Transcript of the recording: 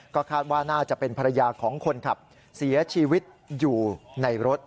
ก็คาดว่าน่าจะเป็นภรรยาของคนขับเสียชีวิตอยู่ในรถ